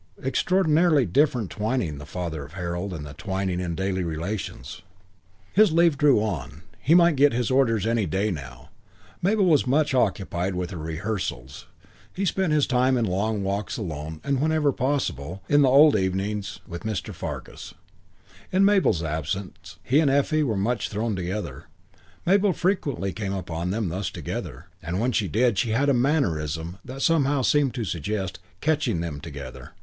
Extraordinarily different Twyning the father of Harold, and Twyning in daily relations. VIII His leave drew on. He might get his orders any day now. Mabel was much occupied with her rehearsals. He spent his time in long walks alone and, whenever they were possible, in the old evenings with Mr. Fargus. In Mabel's absence he and Effie were much thrown together. Mabel frequently came upon them thus together, and when she did she had a mannerism that somehow seemed to suggest "catching" them together.